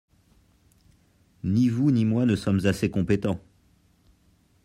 Ni vous ni moi ne sommes assez compétents.